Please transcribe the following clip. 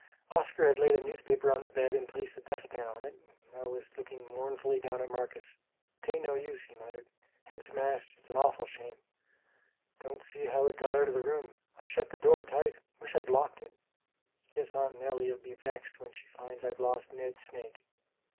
Oscar had laid a newspaper on the bed and placed the dustpan on it and now was looking mournfully down at Marcus. "'Tain't no use," he muttered, "head's smashed. It's an awful shame! Don't see how it got out of the room I shut the door tight. Wish I'd locked it! Guess Aunt Nellie'll be vexed when she finds I've lost Ned's snake.